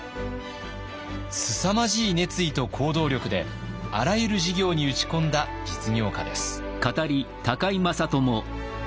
すさまじい熱意と行動力であらゆる事業に打ち込んだ実業家です。